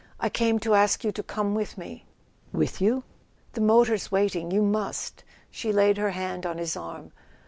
I came to ask you to come with me." "With you ?" "The motor's waiting—you must." She laid her hand on his arm.